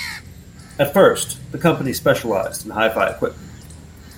At first, the company specialised in Hi-Fi equipment.